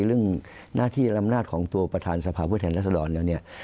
เรื่องหน้าที่รำนาจของตัวประธานสภาพพฤทธิ์รัฐธรรณเนี่ย